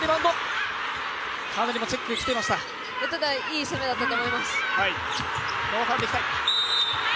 ただ、いい攻めだったと思います。